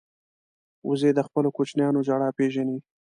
وزې د خپلو کوچنیانو ژړا پېژني